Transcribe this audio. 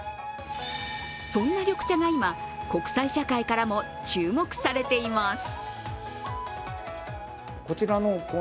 そんな緑茶が今、国際社会からも注目されています。